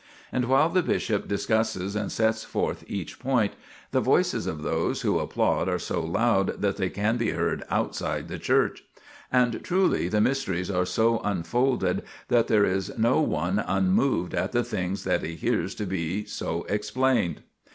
And while the bishop discusses and sets forth each point, the voices of those who applaud are so loud that they can be heard outside the church. And truly the mysteries are so unfolded that there is no one unmoved at the things that he hears to be so explained.